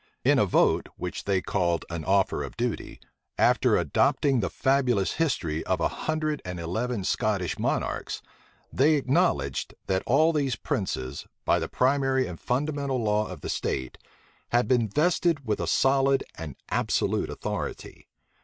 In a vote, which they called an offer of duty, after adopting the fabulous history of a hundred and eleven Scottish monarchs, they acknowledged, that all these princes, by the primary and fundamental law of the state, had been vested with a solid and absolute authority.